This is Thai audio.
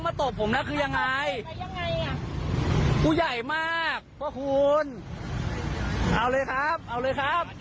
เอาเลยครับเอาเลยครับ